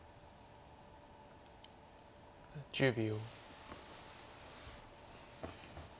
１０秒。